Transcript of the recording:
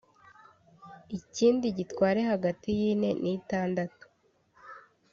ikindi gitware hagati y’ine n’itandatu